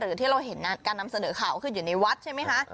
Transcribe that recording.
ที่เราเห็นการนำเสนอข่าวก็คืออยู่ในวัดใช่ไหมคะ